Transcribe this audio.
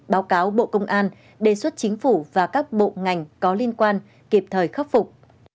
báo cáo bộ công an đề xuất chính phủ và các bộ ngành có liên quan kịp thời khắc phục